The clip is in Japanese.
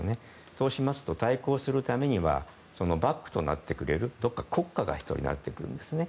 そうしますと、対抗するためにはバックとなってくれるどこか国家が必要になってくるんですね。